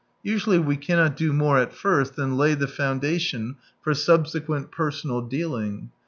Usually we cannot do more at first than lay the foundation for subsequent personal deahng.